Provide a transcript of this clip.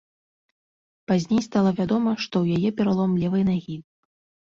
Пазней стала вядома, што ў яе пералом левай нагі.